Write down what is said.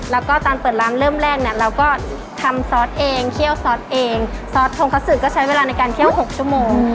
แล้วก็ตอนเปิดร้านเริ่มแรกเนี่ยเราก็ทำซอสเองเคี่ยวซอสเองซอสทองคสึกก็ใช้เวลาในการเคี่ยว๖ชั่วโมง